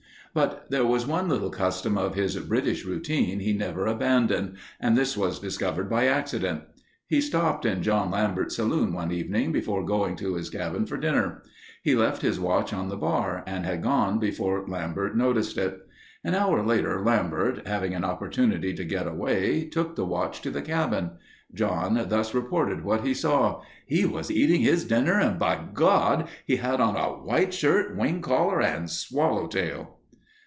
But there was one little custom of his British routine he never abandoned and this was discovered by accident. He stopped in John Lambert's saloon one evening before going to his cabin for dinner. He left his watch on the bar and had gone before Lambert noticed it. An hour later Lambert, having an opportunity to get away, took the watch to the cabin. John thus reported what he saw: "He was eating his dinner and bigod—he had on a white shirt, wing collar, and swallow tail."